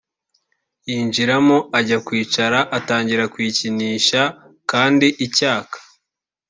yinjiramo ajya kwicara atangira kuyikinisha kandi icyaka